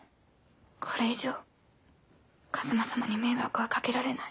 これ以上一馬様に迷惑はかけられない。